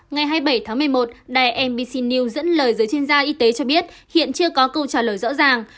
ngày hai mươi bảy tháng một mươi một đài mbc news dẫn lời giới chuyên gia y tế cho biết hiện chưa có câu trả lời rõ ràng